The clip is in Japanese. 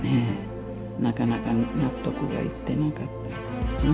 なかなか納得がいってなかったっていうかな。